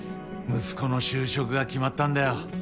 息子の就職が決まったんだよ。